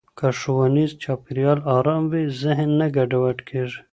که ښوونیز چاپېریال ارام وي، ذهن نه ګډوډ کېږي.